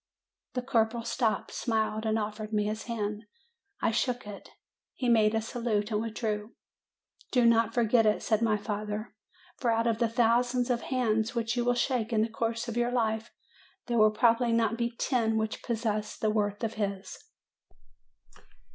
The corporal stopped, smiled, and offered me his hand; I shook it; he made a salute and withdrew. "Do not forget it," said my father; "for out of the thousands of hands which you will shake in the course of your life there will probably not be ten which possess the worth of his."